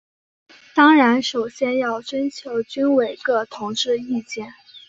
当然首先要征求军委各同志意见。